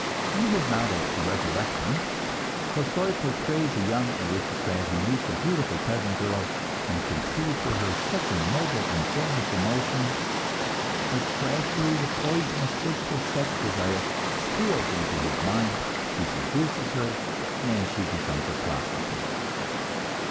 In his novel, "Resurrection," Tolstoi portrays a young aristocrat who meets a beautiful peasant girl and conceives for her such a noble and generous emotion; but gradually the poison of physical sex desire steals into his mind, he seduces her, and she becomes a prostitute.